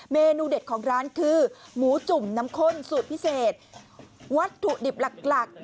เมนูเด็ดของร้านคือหมูจุ่มน้ำข้นสูตรพิเศษวัตถุดิบหลัก